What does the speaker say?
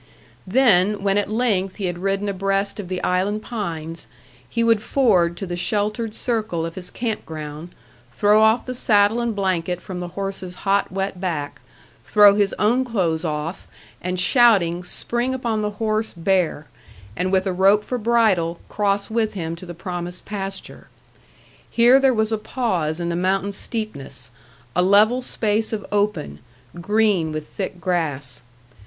Then, when at length he had ridden abreast of the island pines, he would ford to the sheltered circle of his camp ground, throw off the saddle and blanket from the horse's hot, wet back, throw his own clothes off, and, shouting, spring upon the horse bare, and with a rope for bridle, cross with him to the promised pasture. Here there was a pause in the mountain steepness, a level space of open, green with thick grass.